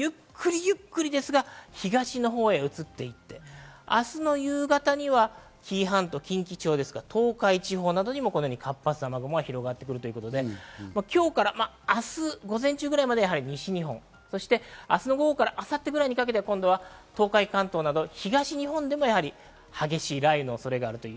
ゆっくりですが東のほうへ移っていって、明日の夕方には紀伊半島、近畿地方、東海地方などにも活発な雨雲が広がってくるということで、今日から明日午前中ぐらいまでは西日本、そして明日の午後から明後日くらいにかけては、東海、関東など東日本でも激しい雷雨の恐れがある。